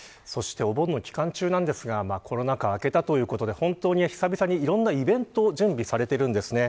そしてお盆の期間中ですがコロナが明けたということで久々にいろんなイベント準備されています。